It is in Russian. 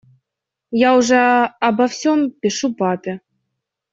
Я уже обо всем пишу папе.